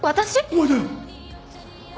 お前だよ！